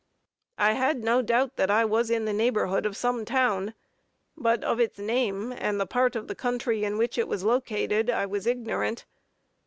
I had no doubt that I was in the neighborhood of some town, but of its name, and the part of the country in which it was located, I was ignorant.